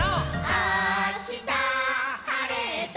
「あしたはれたら」